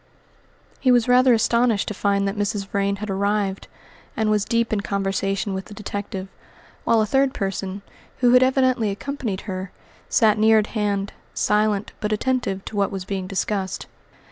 He was rather astonished to find that Mrs. Vrain had arrived, and was deep in conversation with the detective, while a third person, who had evidently accompanied her, sat near at hand, silent, but attentive to what was being discussed.